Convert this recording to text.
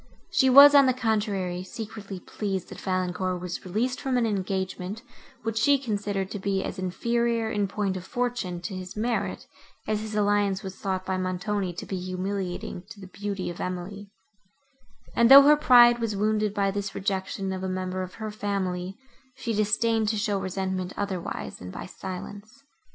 She was, on the contrary, secretly pleased, that Valancourt was released from an engagement, which she considered to be as inferior, in point of fortune, to his merit, as his alliance was thought by Montoni to be humiliating to the beauty of Emily; and, though her pride was wounded by this rejection of a member of her family, she disdained to show resentment otherwise, than by silence.